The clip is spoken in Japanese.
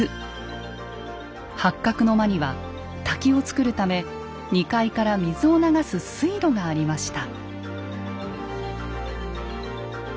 八角の間には滝をつくるため２階から水を流す水路がありました。